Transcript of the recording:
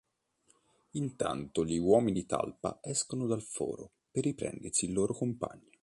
Intanto gli uomini talpa escono dal foro per riprendersi il loro compagno.